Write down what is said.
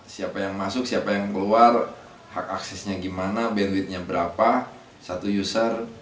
siapa yang masuk siapa yang keluar hak aksesnya gimana bandwidnya berapa satu user